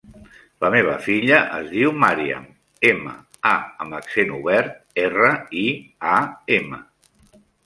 La meva filla es diu Màriam: ema, a amb accent obert, erra, i, a, ema.